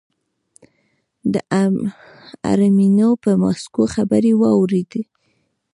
د حرمینو پر ماسکو خبرې واورېدې.